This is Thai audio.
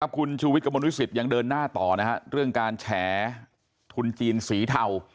ขอบคุณชูวิทย์กับมนุษยศิษยังเดินหน้าต่อเรื่องการแฉทุนจีนสีเทา